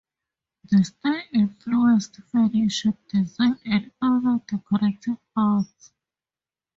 The style influenced furniture design and other decorative arts.